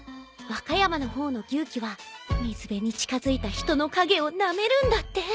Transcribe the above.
和歌山の方の牛鬼は水辺に近づいた人の影をなめるんだって。